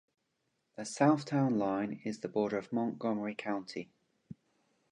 The south town line is the border of Montgomery County.